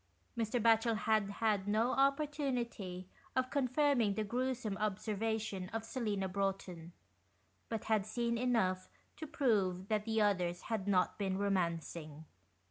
Mr. Batchel had had no opportunity of con firming the gruesome observation of Selina Broughton, but had seen enough to prove that the others had not been romancing.